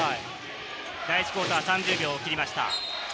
第１クオーター、３０秒を切りました。